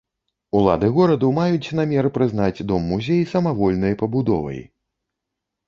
Улады гораду маюць намер прызнаць дом-музей самавольнай пабудовай.